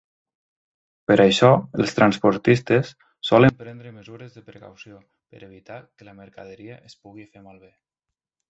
Per això, els transportistes solen prendre mesures de precaució per evitar que la mercaderia es pugui fer malbé.